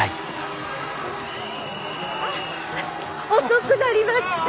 遅くなりました。